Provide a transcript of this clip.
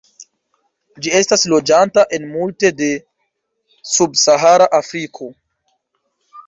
Ĝi estas loĝanta en multe de subsahara Afriko.